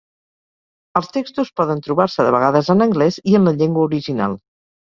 Els textos poden trobar-se de vegades en anglès i en la llengua original.